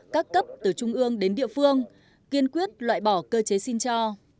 các cấp từ trung ương đến địa phương kiên quyết loại bỏ cơ chế xin cho